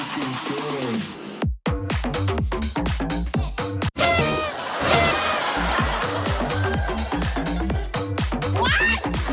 สมมติ